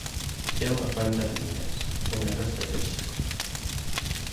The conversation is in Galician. É unha falta de miras, un erro estratéxico.